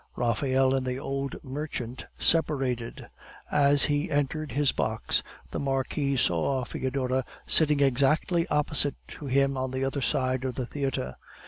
Raphael and the old merchant separated. As he entered his box, the Marquis saw Foedora sitting exactly opposite to him on the other side of the theatre.